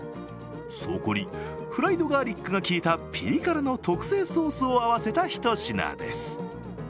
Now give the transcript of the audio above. そこに、フライドガーリックがきいた、ピリ辛の特製ソースを合わせたひと品です。